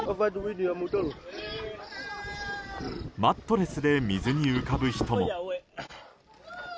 マットレスで水に浮かぶ人も。